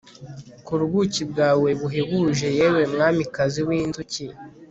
Kora ubuki bwawe buhebuje yewe mwamikazi winzuki